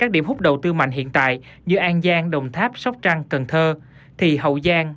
đầu tư mạnh hiện tại như an giang đồng tháp sóc trăng cần thơ thì hậu giang